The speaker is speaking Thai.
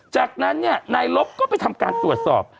จากนั้นนายลบก็ไปทำการตรวจสอบ